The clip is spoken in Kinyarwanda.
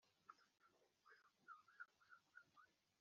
Kurega cyangwa ubwumvikane byakorwa n ikigo cy imari